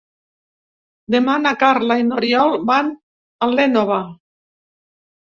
Demà na Carla i n'Oriol van a l'Énova.